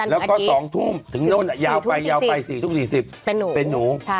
แล้วก็๒ทุ่มถึงนู้นยาวไป๔๔๐เป็นหนู